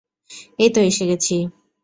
এইতো এসে গেছি।